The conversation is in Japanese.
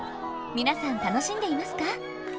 皆さん楽しんでいますか？